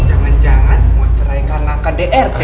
jangan jangan mau cerai karena kdr